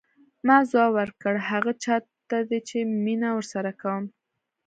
ما ځواب ورکړ هغه چا ته چې مینه ورسره کوم.